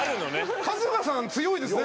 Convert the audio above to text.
春日さん強いですね。